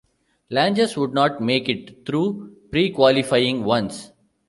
Langes would not make it through pre-qualifying once.